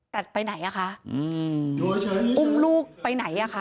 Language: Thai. แต่ไปไหนอ่ะคะอุ้มลูกไปไหนอ่ะคะ